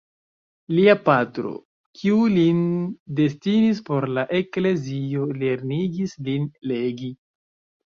Lia patro, kiu lin destinis por la eklezio, lernigis lin legi.